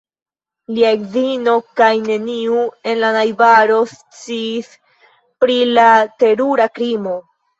Lia edzino kaj neniu en la najbaro sciis pri la terura krimo.